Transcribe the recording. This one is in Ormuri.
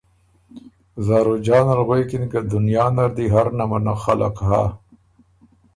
زاروجانه ل غوېکِن که دنیا نر دی هر نمونه خلق هۀ